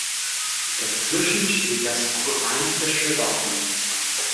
Dazwischen steht das kurmainzische Wappen.